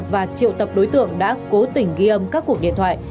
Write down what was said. và triệu tập đối tượng đã cố tình ghi âm các cuộc điện thoại